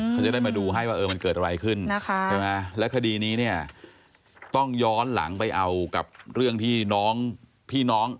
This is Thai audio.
เขาจะได้มาดูให้ว่ามันเกิดอะไรขึ้นนะคะและคดีนี้เนี่ยต้องย้อนหลังไปเอากับเรื่องที่น้องพี่น้อง